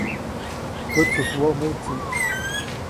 Kätsujswoʼmuʼtsi.